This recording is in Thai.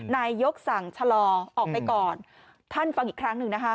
นายยกสั่งชะลอออกไปก่อนท่านฟังอีกครั้งหนึ่งนะคะ